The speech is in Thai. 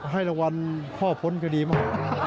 ให้รางวัลพ่อพ้นคดีมาก